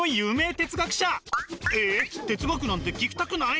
哲学なんて聞きたくない？